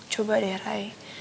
coba deh rai